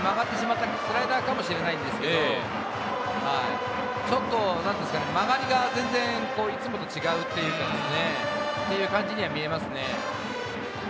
外に曲がってしまったのでスライダーかもしれないですけど、ちょっと曲がりが全然いつもと違うというかですね、そういう感じに見えますね。